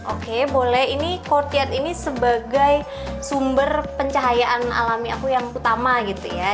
oke boleh ini courtyad ini sebagai sumber pencahayaan alami aku yang utama gitu ya